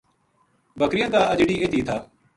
بکریاں کا اجڑی ات ہی تھا